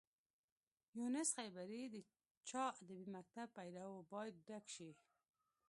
یونس خیبري د چا ادبي مکتب پيرو و باید ډک شي.